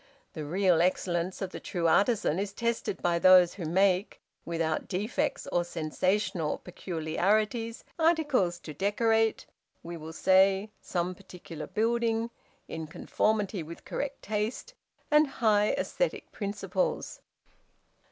The real excellence of the true artisan is tested by those who make, without defects or sensational peculiarities, articles to decorate, we will say, some particular building, in conformity with correct taste and high æsthetic principles.